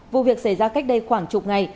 vụ việc xảy ra cách đây khoảng chục ngày